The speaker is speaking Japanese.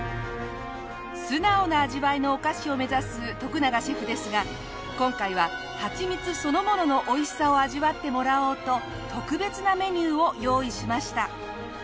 素直な味わいのお菓子を目指す永シェフですが今回ははちみつそのもののおいしさを味わってもらおうと特別なメニューを用意しました。